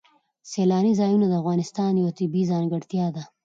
سیلانی ځایونه د افغانستان یوه طبیعي ځانګړتیا ده.